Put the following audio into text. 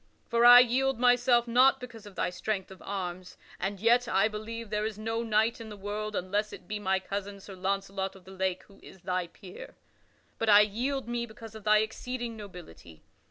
For I yield myself not because of thy strength of arms (and yet I believe there is no knight in the world, unless it be my cousin Sir Launcelot of the Lake, who is thy peer), but I yield me because of thy exceeding nobility.